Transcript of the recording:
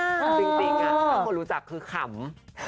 ถึงถ้าคนรู้จักคือขำ